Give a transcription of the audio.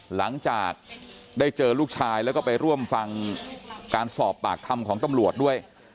หลังจากได้เจอลูกชายแล้วก็ไปร่วมฟังการสอบปากคำของตำรวจด้วย